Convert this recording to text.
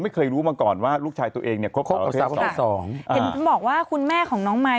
ไม่เคยรู้มาก่อนว่าลูกชายตัวเอง